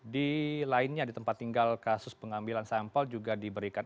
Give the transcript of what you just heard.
di lainnya di tempat tinggal kasus pengambilan sampel juga diberikan